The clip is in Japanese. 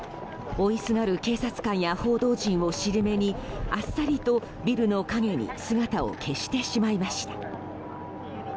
追いすがる警察官や報道陣を尻目にあっさりとビルの陰に姿を消してしまいました。